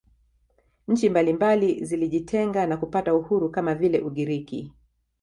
Nchi mbalimbali zilijitenga na kupata uhuru kama vile Ugiriki